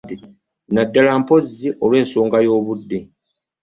Naddala mpozzi olw'ensonga y'obudde